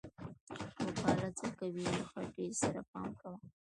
و کلاله څه کوې، له خټې سره پام کوه!